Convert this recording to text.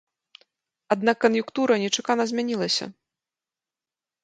Аднак кан'юнктура нечакана змянілася.